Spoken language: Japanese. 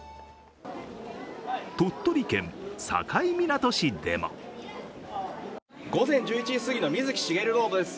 鳥取県境港市でも午前１１時過ぎの水木しげるロードです。